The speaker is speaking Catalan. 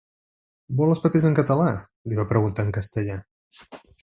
Vol els papers en català?, li va preguntar en castellà.